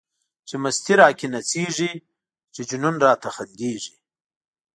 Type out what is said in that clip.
چی مستی را کی نڅيږی، چی جنون را ته خنديږی